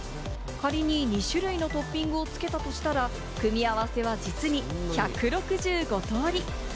仮に２種類のトッピングをつけたとしたら、組み合わせは実に１６５通り。